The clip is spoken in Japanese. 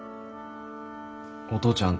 お父ちゃん